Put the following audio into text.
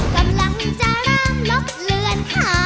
ชนะด้วย